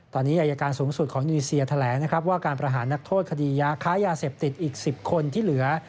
ตอนนี้อายการสูงสุดของนีเซียแถลงนะครับว่าการประหารนักโทษคดียาค้ายาเสพติดอีก๑๐คนที่เหลือ